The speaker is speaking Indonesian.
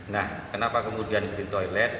nah kenapa kemudian jadi toilet